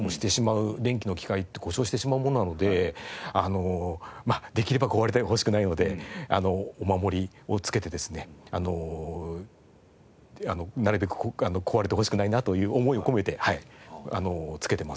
電気の機械って故障してしまうものなのであのまあできれば壊れてほしくないのでお守りをつけてですねなるべく壊れてほしくないなという思いを込めてつけてます。